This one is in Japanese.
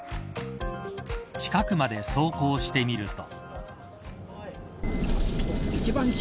近くまで走行してみると。